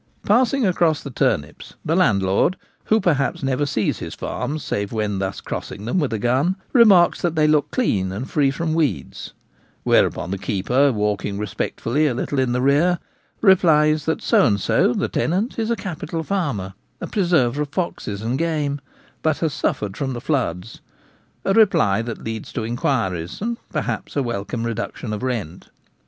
Passing across the turnips, the landlord, who perhaps never sees his farms save when thus crossing them with a gun, remarks that they look clean and free from weeds; whereupon the keeper, walking respectfully a little in the rear, replies that so and so, the tenant, is a capital farmer, a preserver of foxes and game, but has suffered from the floods — a reply that leads to inquiries, and perhaps a welcome reduc tion of rent.